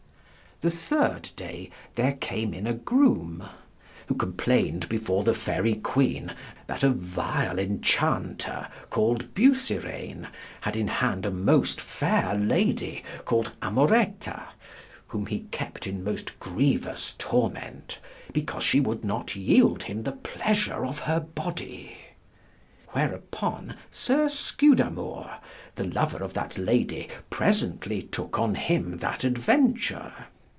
The third day there came in a groome, who complained before the Faery Queene, that a vile enchaunter, called Busirane, had in hand a most faire lady, called Amoretta, whom he kept in most grievous torment, because she would not yield him the pleasure of her body. Whereupon Sir Scudamour, the lover of that lady, presently tooke on him that adventure.